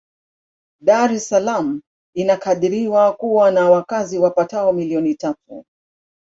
Dar es Salaam inakadiriwa kuwa na wakazi wapatao milioni tatu.